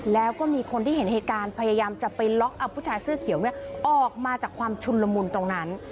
แล้วก็มีคนที่เห็นเหตุการณ์พยายามจะไปล็อกเอาผู้ชายเสื้อเขียวออกมาจากความชุนละมุนตรงนั้น